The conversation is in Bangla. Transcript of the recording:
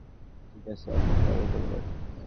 ঠিক আছে, এখন বরের পরিবার।